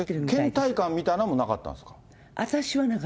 けん怠感みたいなんもなかったんですか？